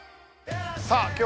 さあ